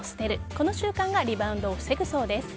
この習慣がリバウンドを防ぐそうです。